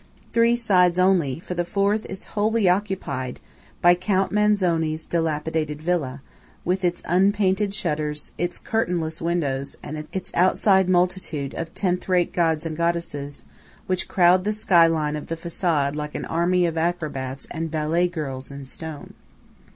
Three sides only; for the fourth is wholly occupied by Count Manzoni's dilapidated villa, with its unpainted shutters, its curtainless windows, and its outside multitude of tenth rate gods and goddesses, which crowd the sky line of the facade like an army of acrobats and ballet girls in stone.